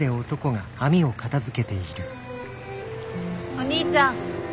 お兄ちゃん。